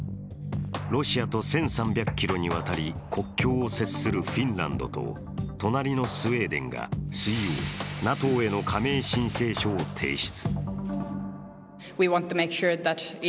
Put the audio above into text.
ロシアと１３００ｋｍにわたり国境を接するフィンランドと隣のスウェーデンが水曜、ＮＡＴＯへの加盟申請書を提出。